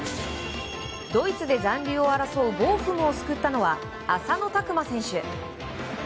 ドイツで残留を争うボーフムを救ったのは浅野拓磨選手。